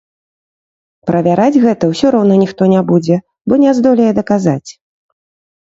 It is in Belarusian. Правяраць гэта ўсё роўна ніхто не будзе, бо не здолее даказаць.